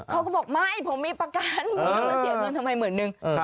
เขาก็บอกไม่ผมมีประกันทำไมหมื่นนึง